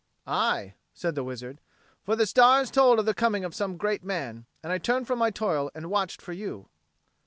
"Aye," said the wizard. "For the stars told of the coming of some great man; and I turned from my toil and watched for you."